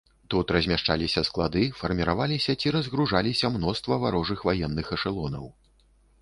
Тут размяшчаліся склады, фарміраваліся ці разгружаліся мноства варожых ваенных эшалонаў.